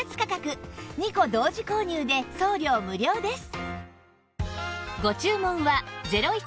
２個同時購入で送料無料です